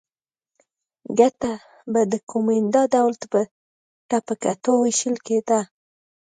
ګټه به د کومېندا ډول ته په کتو وېشل کېده.